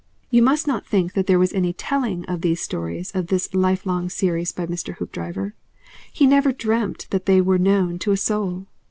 You must not think that there was any TELLING of these stories of this life long series by Mr. Hoopdriver. He never dreamt that they were known to a soul.